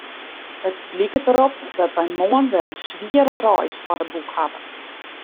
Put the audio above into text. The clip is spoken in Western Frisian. It liket derop dat wy moarn wer in swiere reis foar de boech hawwe.